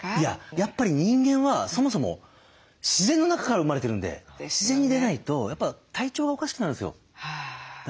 やっぱり人間はそもそも自然の中から生まれてるんで自然に出ないとやっぱ体調がおかしくなるんですよ。